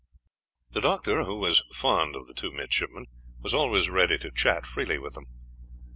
The doctor, who was fond of the two midshipmen, was always ready to chat freely with them.